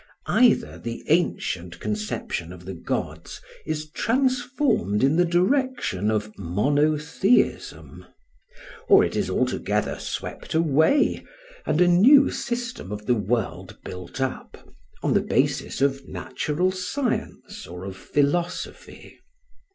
Either the ancient conception of the gods is transformed in the direction of monotheism, or it is altogether swept away, and a new system of the world built up, on the basis of natural science or of philosophy.